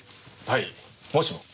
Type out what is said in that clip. はいもしも。